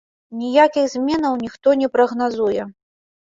Ніякіх зменаў ніхто не прагназуе.